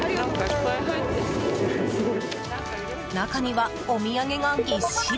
中にはお土産がぎっしり！